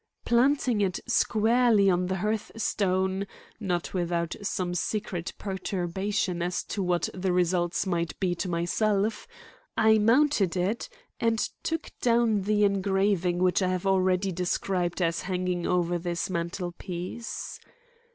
Planting it squarely on the hearthstone,—not without some secret perturbation as to what the results might be to myself,—I mounted it and took down the engraving which I have already described as hanging over this mantelpiece.